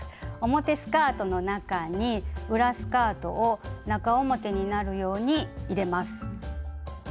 表スカートの中に裏スカートを中表になるように入れます。